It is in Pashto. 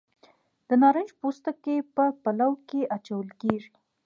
د نارنج پوستکي په پلو کې اچول کیږي.